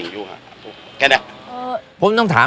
สุดท้ายสุดท้าย